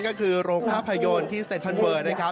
ก็คือโรงภาพยนต์เสนท์ฟันเบิร์น